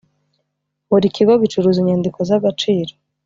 buri kigo gicuruza inyandiko z’ agaciro.